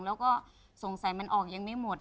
แล้วก็สงสัยมันออกยังไม่หมด